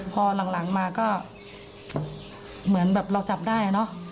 พอหลังมาก็เหมือนแบบเราจับได้เนอะ